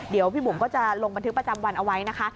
เดี๋ยวพี่บุ๋มก็จะลงบันทึกประจำวันเอาไว้นะคะ